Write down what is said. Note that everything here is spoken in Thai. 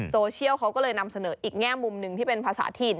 โซเชียลเขาก็เลยนำเสนออีกแง่มุมหนึ่งที่เป็นภาษาถิ่น